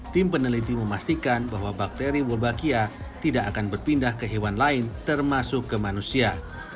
tim peneliti memastikan bahwa bakteri bolbachia tidak akan berpindah ke hewan lain termasuk ke manusia